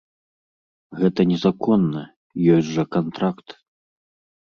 Гэта незаконна, ёсць жа кантракт.